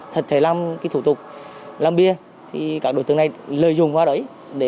thật thể làm thủ tục làm bia thì các đối tượng này lợi dụng vào đấy